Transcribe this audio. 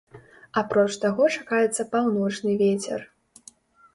Апроч таго чакаецца паўночны вецер.